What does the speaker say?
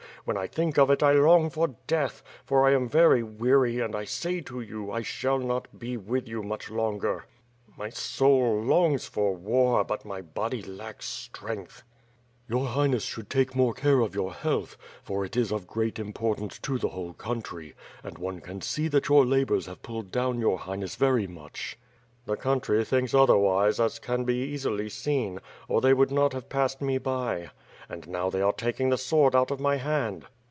When I think of it, I long for death; for I am very weary and I say to you, I shall not be with you much longer." My soul longs for war but my body lacks strength." WITH FIRE AND SWORD. 367 "Your Highness should take more care of your health, for it is of great importance to the whole country; and one can see that your labors have pulled down your Highness very much." "The country thinks otherwise, as can be easily seen; or they would not have passed me by. And now, they are taking the sword out of my hand."